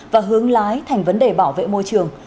và hướng lái thành vấn đề bảo vệ môi trường